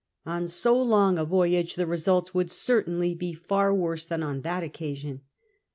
On so long a voyage the results would certainly be far worse than on that occasion.